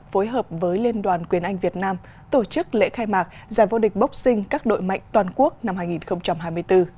phối hợp với liên đoàn quyền anh việt nam tổ chức lễ khai mạc giải vô địch boxing các đội mạnh toàn quốc năm hai nghìn hai mươi bốn